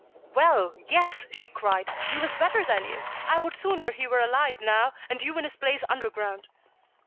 "Well! Yes," she cried, "he was better than you. I would sooner he were alive now, and you in his place underground."